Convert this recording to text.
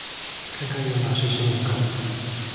看看有哪些新聞稿